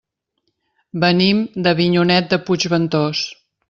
Venim d'Avinyonet de Puigventós.